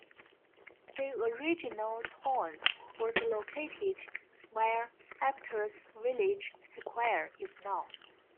The original town was located where Aptos Village Square is now.